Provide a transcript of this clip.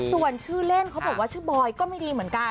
ส่วนชื่อเล่นเขาบอกว่าชื่อบอยก็ไม่ดีเหมือนกัน